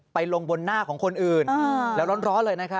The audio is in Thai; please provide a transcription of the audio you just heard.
ลงบนหน้าของคนอื่นแล้วร้อนเลยนะครับ